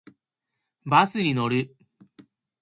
バスに乗る。